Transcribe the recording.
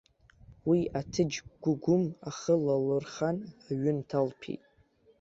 Уи аҭыџь гәыгәым ахы лалырхан, аҩы нҭалҭәеит.